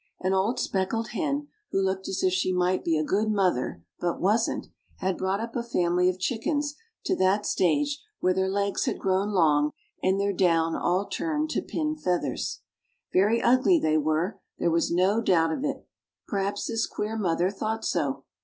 An old speckled hen, who looked as if she might be a good mother, but wasn't, had brought up a family of chickens to that stage where their legs had grown long and their down all turned to pin feathers. Very ugly they were; there was no doubt of it. Perhaps this queer mother thought so.